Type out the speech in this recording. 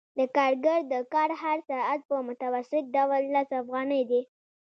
د کارګر د کار هر ساعت په متوسط ډول لس افغانۍ دی